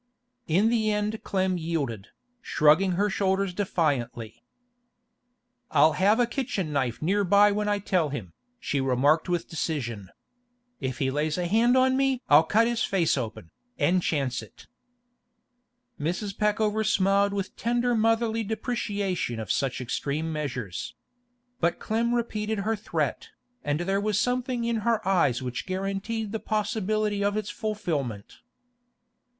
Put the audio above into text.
In the end Clem yielded, shrugging her shoulders defiantly. 'I'll have a kitchen knife near by when I tell him,' she remarked with decision. 'If he lays a hand on me I'll cut his face open, an' chance it!' Mrs. Peckover smiled with tender motherly deprecation of such extreme measures. But Clem repeated her threat, and there was something in her eyes which guaranteed the possibility of its fulfilment.